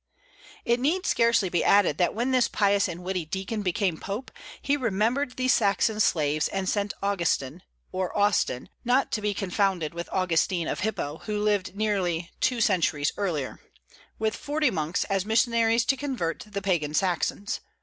It need scarcely be added that when this pious and witty deacon became pope he remembered these Saxon slaves, and sent Augustin (or Austin, not to be confounded with Augustine of Hippo, who lived nearly two centuries earlier), with forty monks as missionaries to convert the pagan Saxons.